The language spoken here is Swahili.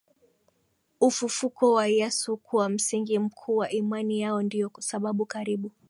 ufufuko wa Yesu kuwa msingi mkuu wa imani yao ndiyo sababu karibu